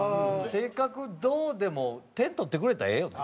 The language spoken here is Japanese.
性格どうでも点取ってくれたらええよな。